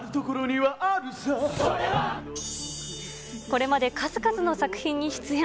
これまで数々の作品に出演。